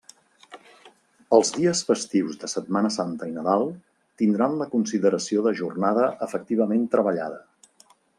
Els dies festius de Setmana Santa i Nadal tindran, la consideració de jornada efectivament treballada.